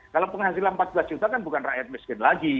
kalau penghasilan empat belas juta kan bukan rakyat miskin lagi